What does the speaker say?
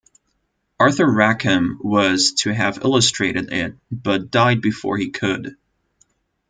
Arthur Rackham was to have illustrated it, but died before he could.